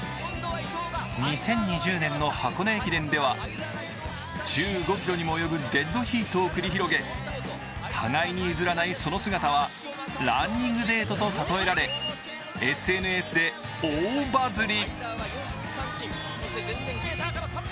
２０２０年の箱根駅伝では１５ｋｍにも及ぶデッドヒートを繰り広げ、互いに譲らないその姿はランニングデートと例えられ、ＳＮＳで大バズり。